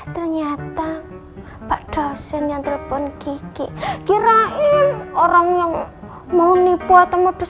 ternyata pak dosen yang telepon gigi kirain orang yang mau nipu atau modus